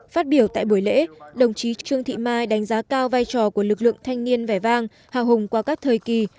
phát biểu tại buổi lễ đồng chí trương thị mai đánh giá cao vai trò của lực lượng thanh niên vẻ vang hào hùng qua các thời kỳ